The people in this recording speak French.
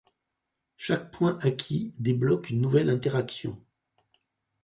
Chaque point acquis débloque une nouvelle interaction.